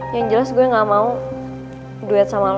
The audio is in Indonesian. yang jelas gue gak mau duet sama lo